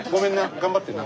頑張ってな。